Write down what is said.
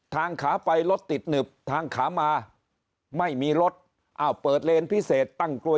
ทางขาไปรถติดหนึบทางขามาไม่มีรถอ้าวเปิดเลนพิเศษตั้งกลวย